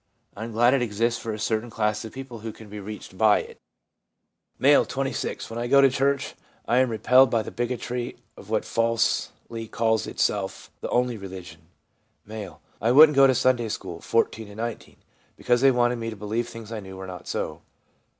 I am glad it exists for a certain class of people who can be reached by it/ M., 26. 256 THE PSYCHOLOGY OF RELIGION * When I go to church I am repelled by the bigotry of what falsely calls itself the only religion.' M. ' I wouldn't go to Sunday school (14 to 19), because they wanted me to believe things I knew were not so.'